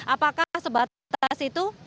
apakah sebatas itu